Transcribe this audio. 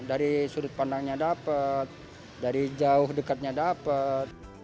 dari sudut pandangnya dapat dari jauh dekatnya dapat